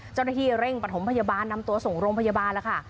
เจ้าหน้าที่เร่งประถมพยาบาลนำตัวส่งโรงพยาบาลแล้วค่ะ